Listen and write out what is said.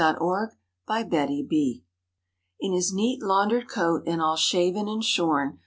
OUR BARBER In his neat, laundered coat and all shaven and shorn.